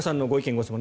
・ご質問